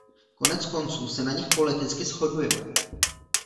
Koneckonců se na nich politicky shodujeme.